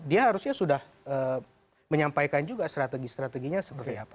dia harusnya sudah menyampaikan juga strategi strateginya seperti apa